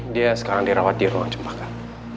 dia sekarang dirawat di ruang jempakan